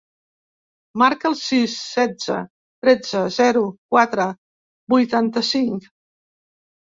Marca el sis, setze, tretze, zero, quatre, vuitanta-cinc.